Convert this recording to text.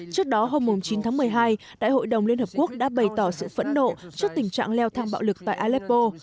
trước đó hôm chín tháng một mươi hai đại hội đồng liên hợp quốc đã bày tỏ sự phẫn nộ trước tình trạng leo thang bạo lực tại aleppo